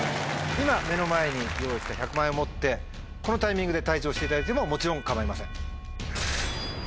今目の前に用意した１００万円を持ってこのタイミングで退場していただいてももちろん構いません。